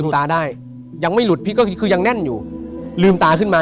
ก็มองขึ้นไป